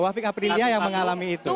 wafik aprilia yang mengalami itu